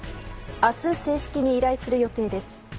明日、正式に依頼する予定です。